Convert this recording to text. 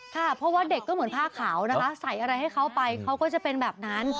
ค่ะเพราะว่าเด็กก็เหมือนผ้าขาวนะคะใส่อะไรให้เขาไปเขาก็จะเป็นแบบนั้น